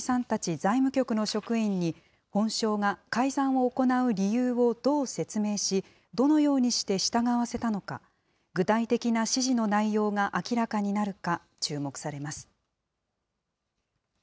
財務局の職員に、本省が改ざんを行う理由をどう説明し、どのようにして従わせたのか、具体的な指示の内容が明らかになるか、注目されます。